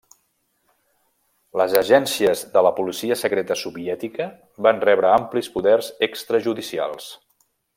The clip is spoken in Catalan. Les agències de la policia secreta soviètica van rebre amplis poders extrajudicials.